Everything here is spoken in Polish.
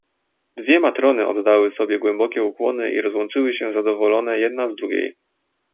"Dwie matrony oddały sobie głębokie ukłony i rozłączyły się zadowolone jedna z drugiej."